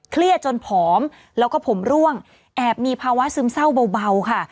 เครียดจนผอมแล้วก็ผมร่วงแอบมีภาวะซึมเศร้าเบาค่ะ